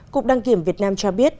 cục đăng kiểm việt nam cho biết